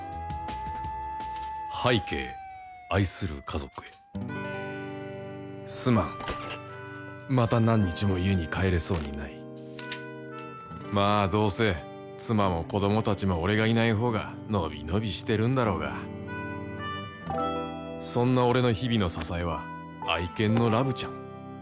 拝啓愛する家族へすまんまた何日も家に帰れそうにないまぁどうせ妻も子供たちも俺がいないほうが伸び伸びしてるんだろうがそんな俺の日々の支えは愛犬のラブちゃん・ワン！